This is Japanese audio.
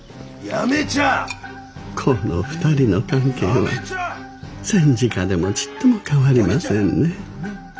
この２人の関係は戦時下でもちっとも変わりませんね。